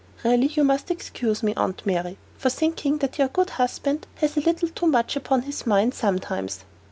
Really you must excuse me, Aunt Mary, for thinking that your good husband has a little too much upon his mind sometimes."